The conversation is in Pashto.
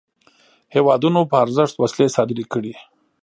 هیوادونو په ارزښت وسلې صادري کړې.